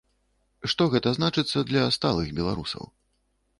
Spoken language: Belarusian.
Што гэта значыцца для сталых беларусаў?